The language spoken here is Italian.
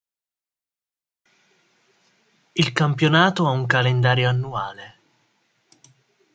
Il campionato ha un calendario annuale.